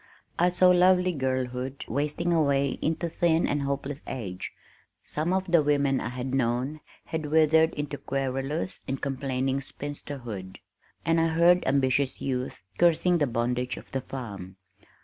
I saw lovely girlhood wasting away into thin and hopeless age. Some of the women I had known had withered into querulous and complaining spinsterhood, and I heard ambitious youth cursing the bondage of the farm.